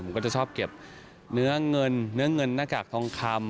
อย่างที่ผมเก็บบ่อยเนื้อนน้ำหน้ากากทองคลำ